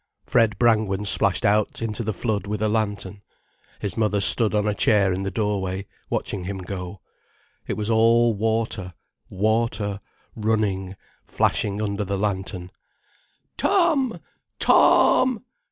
Fred Brangwen splashed out into the flood with a lantern. His mother stood on a chair in the doorway, watching him go. It was all water, water, running, flashing under the lantern. "Tom! Tom!